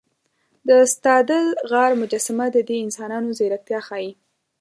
د ستادل غار مجسمه د دې انسانانو ځیرکتیا ښيي.